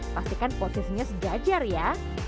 pastikan posisinya sejajar ya